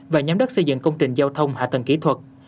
và nhắm đất xây dựng công trình giao thông hạ tầng kỹ thuật